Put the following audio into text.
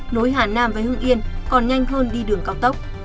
nối hà nam với hương yên còn nhanh hơn đi đường cao tốc